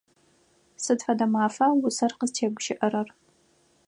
Сыд фэдэ мафа усэр къызтегущыӏэрэр?